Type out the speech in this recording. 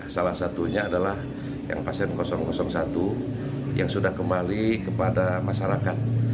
salah satunya adalah yang pasien satu yang sudah kembali kepada masyarakat